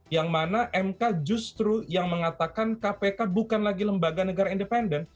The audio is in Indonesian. yang mana mk justru yang mengatakan kpk bukan lagi lembaga negara independen